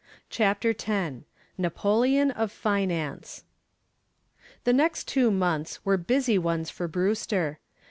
CHAPTER X NAPOLEON OF FINANCE The next two months were busy ones for Brewster.